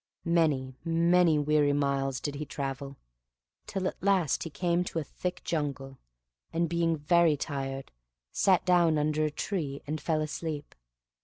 Many, many weary miles did he travel, till at last he came to a thick jungle; and, being very tired, sat down under a tree and fell asleep.